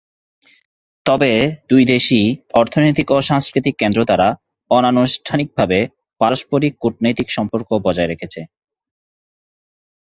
তবে দুই দেশই অর্থনৈতিক ও সাংস্কৃতিক কেন্দ্র দ্বারা অনানুষ্ঠানিকভাবে পারস্পরিক কূটনৈতিক সম্পর্ক বজায় রেখেছে।